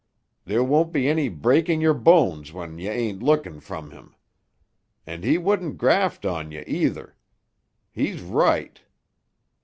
There won't be any breaking yer bones when yuh ain't lookin' from him. And he wouldn't graft on yuh, either. He's right.